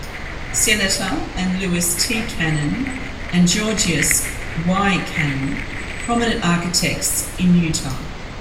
Senator; and Lewis T. Cannon and Georgius Y. Cannon, prominent architects in Utah.